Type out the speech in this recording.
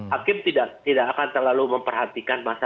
hakim tidak akan terlalu memperhatikan masyarakat